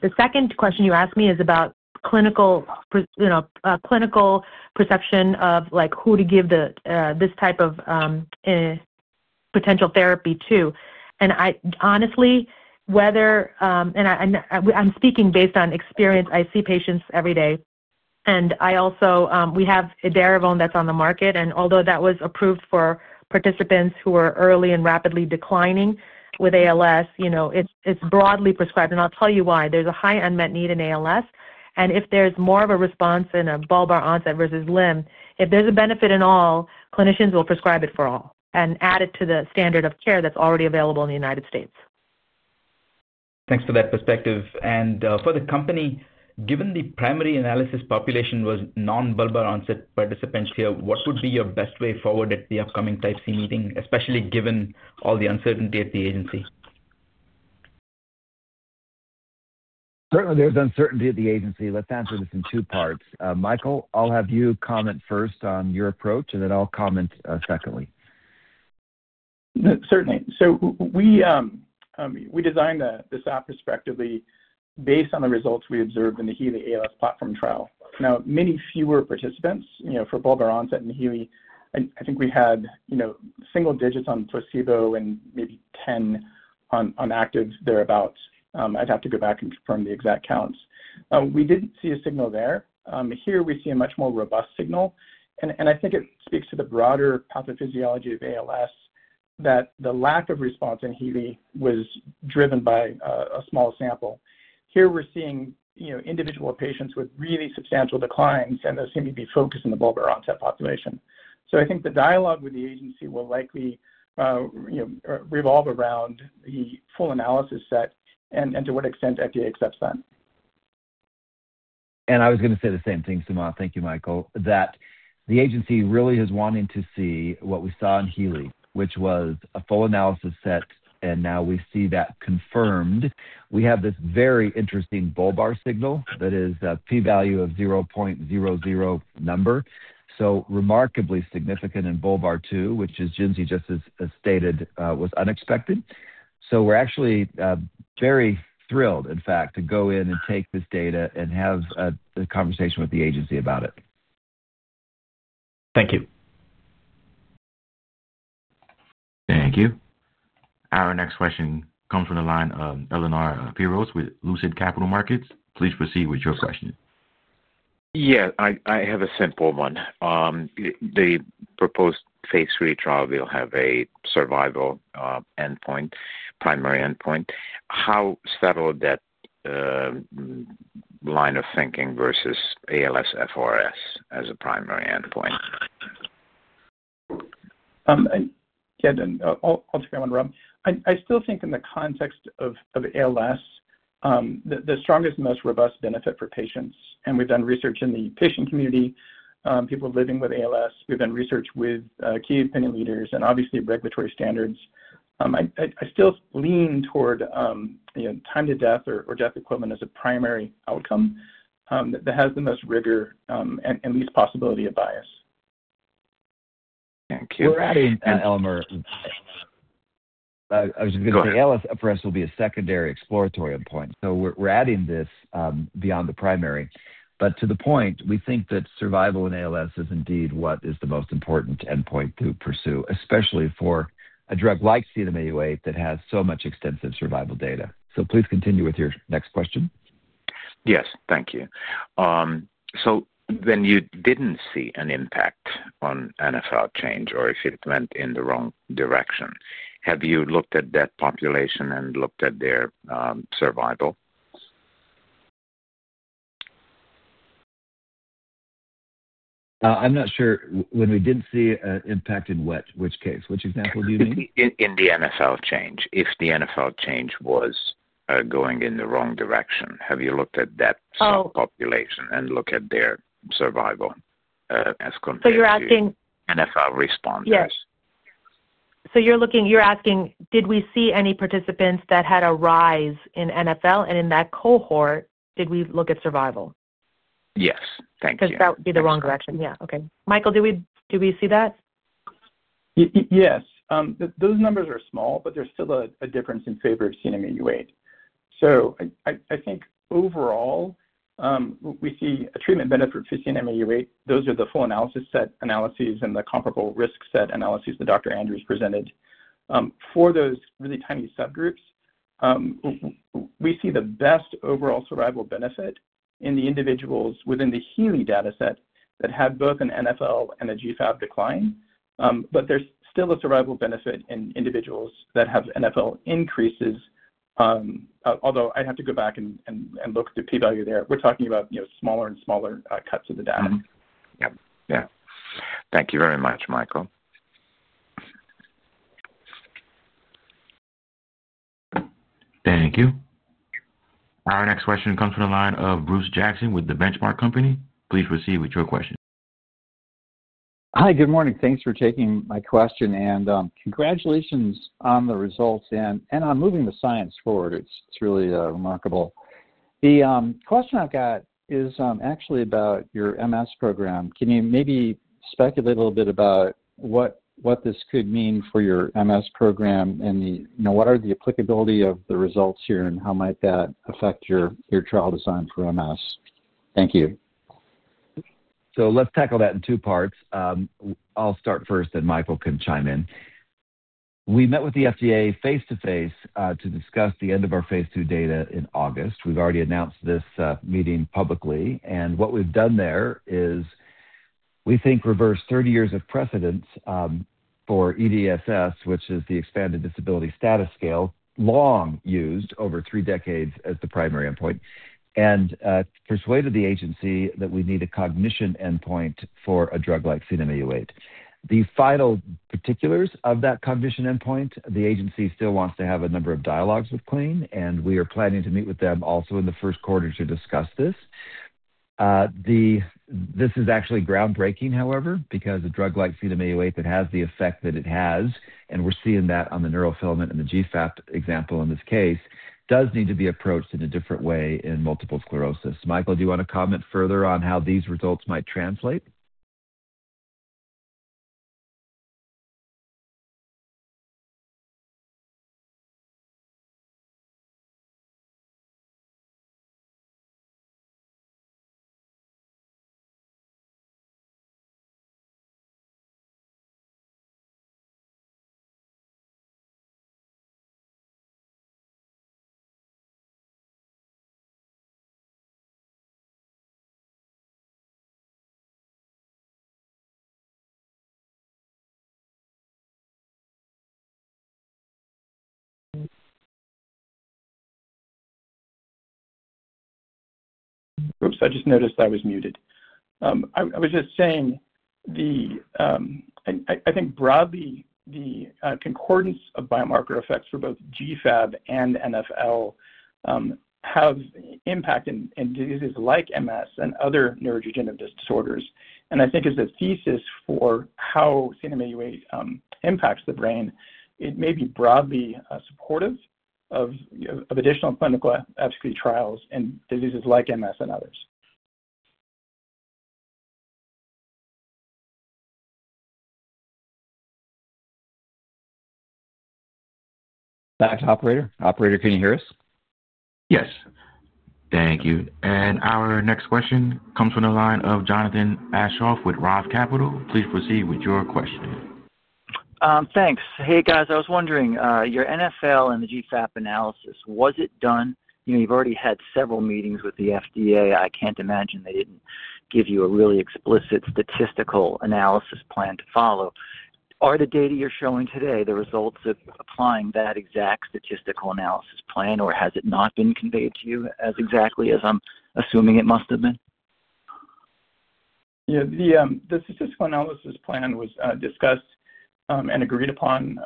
The second question you asked me is about clinical perception of who to give this type of potential therapy to. And honestly, whether - and I'm speaking based on experience. I see patients every day. And we have Edaravone that's on the market. And although that was approved for participants who were early and rapidly declining with ALS, it's broadly prescribed. And I'll tell you why. There's a high unmet need in ALS. If there's more of a response in a bulbar onset versus limb, if there's a benefit in all, clinicians will prescribe it for all and add it to the standard of care that's already available in the United States. Thanks for that perspective. And for the company, given the primary analysis population was non-bulbar onset participants here, what would be your best way forward at the upcoming Type C meeting, especially given all the uncertainty at the agency? Certainly, there's uncertainty at the agency. Let's answer this in two parts. Michael, I'll have you comment first on your approach, and then I'll comment secondly. Certainly. We designed this approach based on the results we observed in the HEALEY ALS platform trial. Now, many fewer participants for bulbar onset in HEALEY. I think we had single digits on placebo and maybe 10 on active thereabouts. I'd have to go back and confirm the exact counts. We didn't see a signal there. Here, we see a much more robust signal. And I think it speaks to the broader pathophysiology of ALS that the lack of response in HEALEY was driven by a small sample. Here, we're seeing individual patients with really substantial declines, and there seems to be a focus in the bulbar onset population. I think the dialogue with the agency will likely revolve around the full analysis set and to what extent FDA accepts that. I was going to say the same thing, Sumant. Thank you, Michael, that the agency really is wanting to see what we saw in HEALEY, which was a full analysis set, and now we see that confirmed. We have this very interesting bulbar signal that is a p-value of 0.00, so remarkably significant in bulbar, too, which is, Jinsy just as stated, was unexpected. So we're actually very thrilled, in fact, to go in and take this data and have a conversation with the agency about it. Thank you. Thank you. Our next question comes from the line of Elemer Piros with Lucid Capital Markets. Please proceed with your question. Yeah. I have a simple one. The proposed Phase 3 trial, we'll have a survival endpoint, primary endpoint. How settled that line of thinking versus ALSFRS as a primary endpoint? Yeah. I'll take that one, Rob. I still think in the context of ALS, the strongest and most robust benefit for patients, and we've done research in the patient community, people living with ALS. We've done research with key opinion leaders and obviously regulatory standards. I still lean toward time to death or death equivalent as a primary outcome that has the most rigor and least possibility of bias. Thank you. We're adding—I was just going to say ALSFRS will be a secondary exploratory endpoint. So we're adding this beyond the primary. But to the point, we think that survival in ALS is indeed what is the most important endpoint to pursue, especially for a drug like CNM-Au8 that has so much extensive survival data. So please continue with your next question. Yes. Thank you. So when you didn't see an impact on NFL change or if it went in the wrong direction, have you looked at that population and looked at their survival? I'm not sure when we didn't see an impact in which case. Which example do you mean? In the NFL change, if the NFL change was going in the wrong direction, have you looked at that population and looked at their survival as compared to NFL responses? So you're asking did we see any participants that had a rise in NFL? And in that cohort, did we look at survival? Yes. Thank you. Because that would be the wrong direction. Yeah. Okay. Michael, do we see that? Yes. Those numbers are small, but there's still a difference in favor of CNM-Au8. So I think overall, we see a treatment benefit for CNM-Au8. Those are the full analysis set analyses and the comparable risk set analyses that Dr. Andrews presented. For those really tiny subgroups, we see the best overall survival benefit in the individuals within the HEALEY data set that had both an NFL and a GFAP decline. But there's still a survival benefit in individuals that have NFL increases, although I'd have to go back and look at the p-value there. We're talking about smaller and smaller cuts of the data. Yep. Yeah. Thank you very much, Michael. Thank you. Our next question comes from the line of Bruce Jackson with The Benchmark Company. Please proceed with your question. Hi. Good morning. Thanks for taking my question, and congratulations on the results and on moving the science forward. It's really remarkable. The question I've got is actually about your MS program. Can you maybe speculate a little bit about what this could mean for your MS program and what are the applicability of the results here and how might that affect your trial design for MS? Thank you. So let's tackle that in two parts. I'll start first, and Michael can chime in. We met with the FDA face-to-face to discuss the end of our Phase 2 data in August. We've already announced this meeting publicly. And what we've done there is we think reversed 30 years of precedent for EDSS, which is the Expanded Disability Status Scale, long used over three decades as the primary endpoint, and persuaded the agency that we need a cognition endpoint for a drug like CNM-Au8. The final particulars of that cognition endpoint, the agency still wants to have a number of dialogues with Clene, and we are planning to meet with them also in the first quarter to discuss this. This is actually groundbreaking, however, because a drug like CNM-Au8 that has the effect that it has, and we're seeing that on the neurofilament and the GFAP example in this case, does need to be approached in a different way in multiple sclerosis. Michael, do you want to comment further on how these results might translate? Oops. I just noticed I was muted. I was just saying I think broadly, the concordance of biomarker effects for both GFAP and NFL have impact, and diseases like MS and other neurodegenerative disorders. And I think as a thesis for how CNM-Au8 impacts the brain, it may be broadly supportive of additional clinical efficacy trials in diseases like MS and others. Back to operator. Operator, can you hear us? Yes.Thank you. And our next question comes from the line of Jonathan Aschoff with Roth Capital. Please proceed with your question. Thanks. Hey, guys, I was wondering, your NFL and the GFAP analysis, was it done? You've already had several meetings with the FDA. I can't imagine they didn't give you a really explicit statistical analysis plan to follow. Are the data you're showing today the results of applying that exact statistical analysis plan, or has it not been conveyed to you as exactly as I'm assuming it must have been? Yeah. The statistical analysis plan was discussed and agreed upon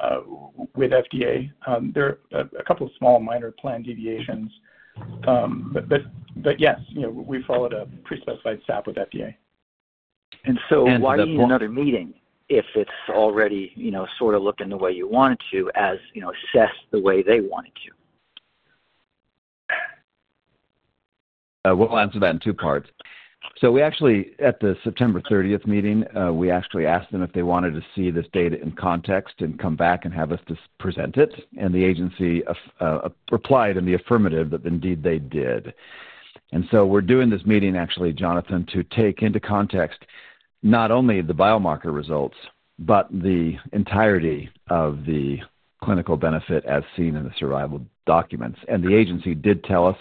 with FDA. There are a couple of small minor plan deviations. But yes, we followed a pre-specified SAP with FDA. And so why do you need another meeting if it's already sort of looking the way you want it to as assessed the way they want it to? We'll answer that in two parts. So at the September 30th meeting, we actually asked them if they wanted to see this data in context and come back and have us present it. And the agency replied in the affirmative that indeed they did. And so we're doing this meeting, actually, Jonathan, to take into context not only the biomarker results, but the entirety of the clinical benefit as seen in the survival documents. And the agency did tell us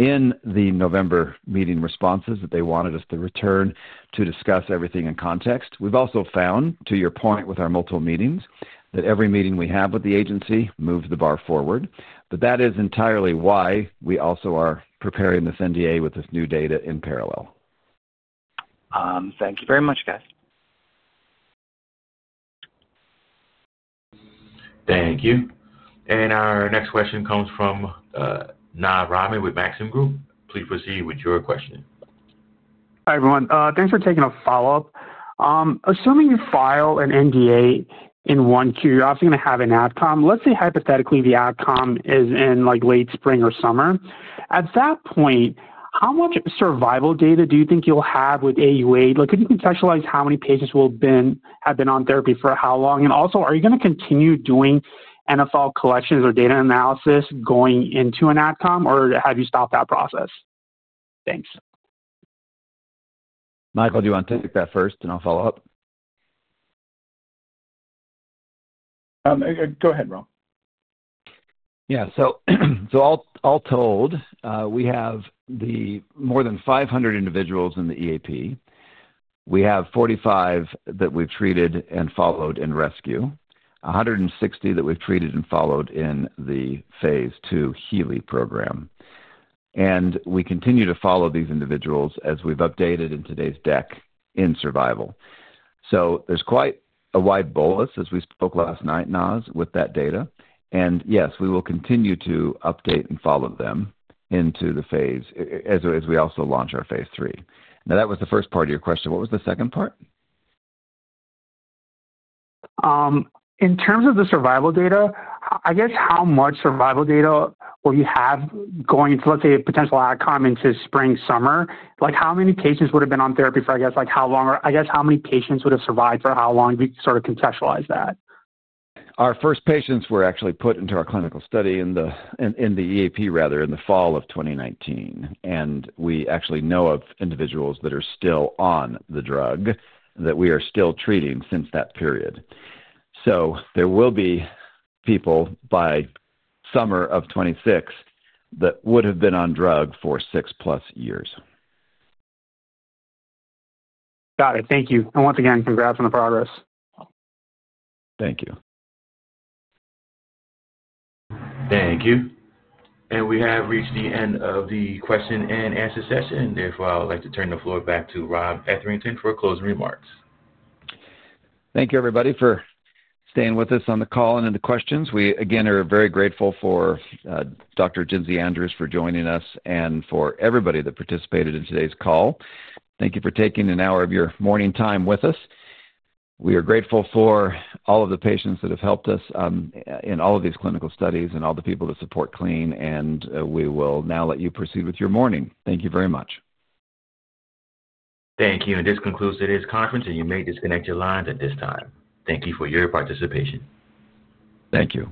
in the November meeting responses that they wanted us to return to discuss everything in context. We've also found, to your point with our multiple meetings, that every meeting we have with the agency moves the bar forward. But that is entirely why we also are preparing this NDA with this new data in parallel. Thank you very much, guys. Thank you. And our next question comes from Naz Rahman with Maxim Group. Please proceed with your question. Hi, everyone. Thanks for taking a follow-up. Assuming you file an NDA in Q1, you're obviously going to have an outcome. Let's say hypothetically the outcome is in late spring or summer. At that point, how much survival data do you think you'll have with Au8? Could you contextualize how many patients have been on therapy for how long? And also, are you going to continue doing NFL collections or data analysis going into an outcome, or have you stopped that process? Thanks. Michael, do you want to take that first, and I'll follow up? Go ahead, Rob. Yeah. So all told, we have more than 500 individuals in the EAP. We have 45 that we've treated and followed in rescue, 160 that we've treated and followed in the Phase 2 HEALEY program. And we continue to follow these individuals as we've updated in today's deck in survival. So there's quite a wide bolus, as we spoke last night, Nas, with that data. And yes, we will continue to update and follow them into the phase as we also launch our Phase 3. Now, that was the first part of your question. What was the second part? In terms of the survival data, I guess how much survival data will you have going to, let's say, a potential outcome into spring, summer? How many patients would have been on therapy for, I guess, how long? I guess how many patients would have survived for how long? You can sort of contextualize that. Our first patients were actually put into our clinical study in the EAP, rather, in the fall of 2019. And we actually know of individuals that are still on the drug that we are still treating since that period. So there will be people by summer of 2026 that would have been on drug for six-plus years. Got it. Thank you, and once again, congrats on the progress. Thank you. Thank you. And we have reached the end of the question and answer session. Therefore, I would like to turn the floor back to Rob Etherington for closing remarks. Thank you, everybody, for staying with us on the call and in the questions. We, again, are very grateful for Dr. Jinsy Andrews for joining us and for everybody that participated in today's call. Thank you for taking an hour of your morning time with us. We are grateful for all of the patients that have helped us in all of these clinical studies and all the people that support Clene, and we will now let you proceed with your morning. Thank you very much. Thank you. And this concludes today's conference, and you may disconnect your lines at this time. Thank you for your participation. Thank you.